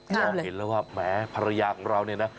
เราเห็นแล้วว่าแหมภรรยาของเราเนี่ยนะ